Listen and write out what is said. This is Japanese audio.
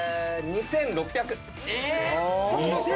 ２，６００？